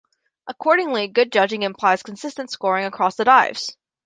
Accordingly, good judging implies consistent scoring across the dives.